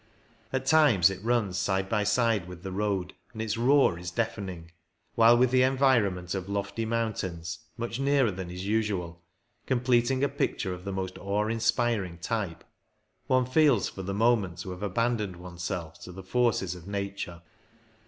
At times it runs side by side with the road, and its roar is deafening ; while with the environment of lofty moun tains, much nearer than is usual, completing a picture of the most awe inspiring type, one THE MALOJA 95 feels for the moment to have abandoned one*s self to the forces of nature.